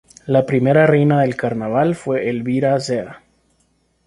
La primera reina del carnaval fue Elvira Zea.